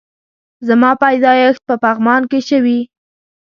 زما پيدايښت په پغمان کی شوي